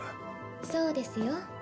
そうですよ。